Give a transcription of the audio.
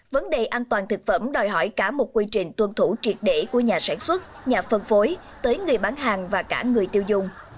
vấn đề an toàn thực phẩm đòi hỏi cả một quy trình tuân thủ triệt để của nhà sản xuất nhà phân phối tới người bán hàng và cả người tiêu dùng